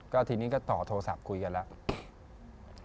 ก็ทีนี้ก็ต่อโทรศัพท์คุยกันแล้ว